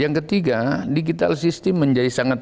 yang ketiga digital system menjaga kemampuan